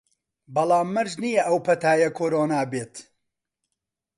بەڵام مەرج نییە ئەو پەتایە کۆرۆنا بێت